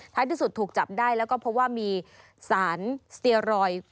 ที่สุดถูกจับได้แล้วก็พบว่ามีสารสเตียรอยด์